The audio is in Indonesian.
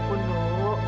ya ampun do